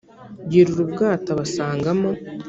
yurira ubwato abasangamo